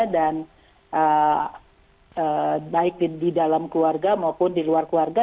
dan baik di dalam keluarga maupun di luar keluarga